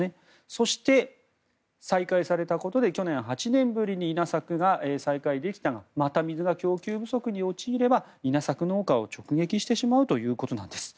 そして、再開されたことで去年８年ぶりに稲作が再開できたまた水が供給不足に陥れば稲作農家を直撃してしまうということです。